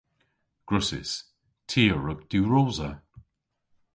Gwrussys. Ty a wrug diwrosa.